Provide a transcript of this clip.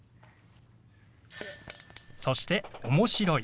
そして「面白い」。